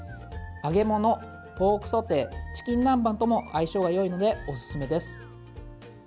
揚げ物、ポークソテーチキン南蛮とも相性がよいのでおすすめです。